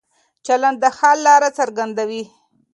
چلن د حل لاره څرګندوي.